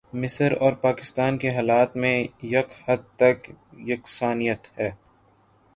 مصر اور پاکستان کے حالات میں ایک حد تک یکسانیت ہے۔